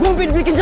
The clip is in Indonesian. kok petah amat sih